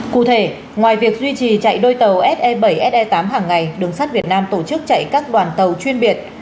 cụ thể ngoài việc duy trì chạy đôi tàu se bảy se tám hàng ngày đường sắt việt nam tổ chức chạy các đoàn tàu chuyên biệt